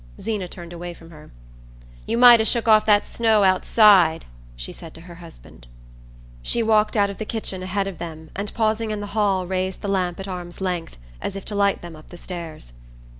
Zeena turned away from her. "You might 'a' shook off that snow outside," she said to her husband. She walked out of the kitchen ahead of them and pausing in the hall raised the lamp at arm's length, as if to light them up the stairs.